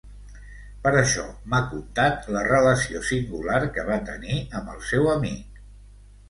Per això m'ha contat la relació singular que va tenir amb el seu amic...